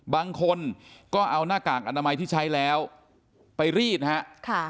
บางคนก็เอาหน้ากากอนามัยที่ใช้แล้วไปรีดนะฮะ